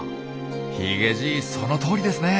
ヒゲじいそのとおりですね！